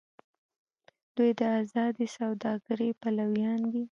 دوی د ازادې سوداګرۍ پلویان دي.